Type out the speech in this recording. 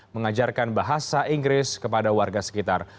mengajarkan bahasa inggris kepada warga sekitar